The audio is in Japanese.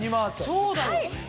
そうだよ。